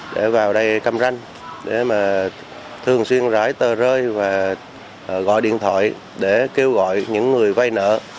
để vào đây cam ranh để mà thường xuyên rải tờ rơi và gọi điện thoại để kêu gọi những người vay nợ